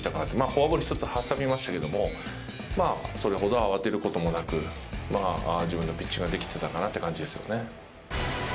フォアボール１つ挟みましたけれども、それほど慌てることもなく自分のピッチングができていたかなっていう感じですよね。